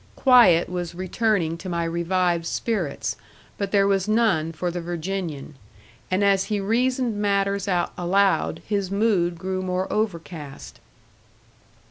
Quiet was returning to my revived spirits, but there was none for the Virginian. And as he reasoned matters out aloud, his mood grew more overcast.